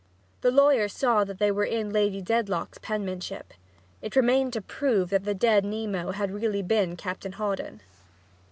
The lawyer saw that they were in Lady Dedlock's penmanship; it remained to prove that the dead Nemo had really been Captain Hawdon.